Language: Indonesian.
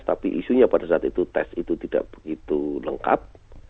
tapi isunya pada saat itu tes itu tidak begitu lengkap